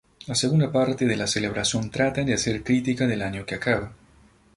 La segunda parte de la celebración trata de hacer crítica del año que acaba.